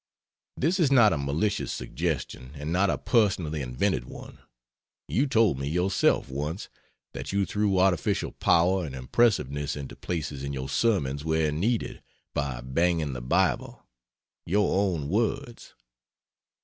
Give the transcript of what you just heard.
This is not a malicious suggestion, and not a personally invented one: you told me yourself, once, that you threw artificial power and impressiveness into places in your sermons where needed, by "banging the bible" (your own words.)